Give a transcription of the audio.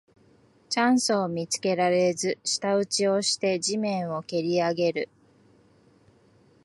チャンスを見つけられず舌打ちをして地面をけりあげる